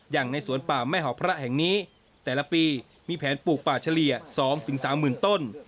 ในสวนป่าแม่หอพระแห่งนี้แต่ละปีมีแผนปลูกป่าเฉลี่ย๒๓๐๐๐ต้น